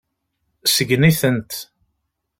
Sgen-itent.